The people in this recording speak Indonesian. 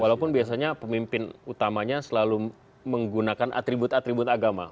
walaupun biasanya pemimpin utamanya selalu menggunakan atribut atribut agama